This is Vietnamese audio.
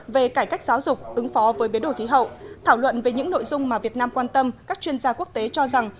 về cải cách giáo dục ứng phó với biến đổi khí hậu thảo luận về những nội dung mà việt nam quan tâm các chuyên gia quốc tế cho rằng